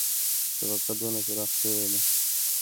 شبکه دونه پراخه شوې ده.